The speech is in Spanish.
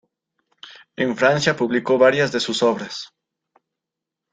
En Francia publicó varias de sus obras.